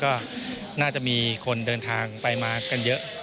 ก็น่าจะมีคนเดินทางไปมากันเยอะ